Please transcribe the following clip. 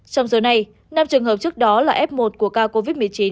trong giờ này năm trường hợp trước đó là f một của ca covid một mươi chín